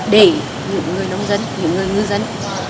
để những người nông dân những người ngư dân